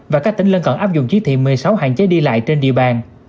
và các tỉnh lân cận áp dụng chí thị một mươi sáu hạn chế đi lại trên địa bàn